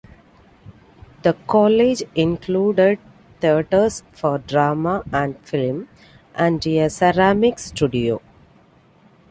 The college included theatres for drama and film, and a ceramics studio.